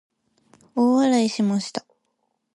大笑いしました。